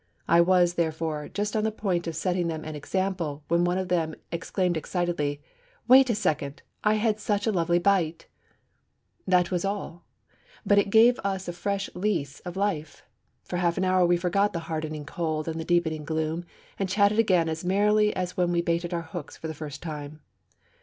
I was, therefore, just on the point of setting them an example when one of them exclaimed excitedly, 'Wait a second; I had such a lovely bite!' That was all; but it gave us a fresh lease of life. For half an hour we forgot the hardening cold and the deepening gloom, and chatted again as merrily as when we baited our hooks for the first time.